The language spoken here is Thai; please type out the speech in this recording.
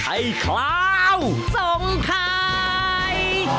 ไอ้คลาวส่งใคร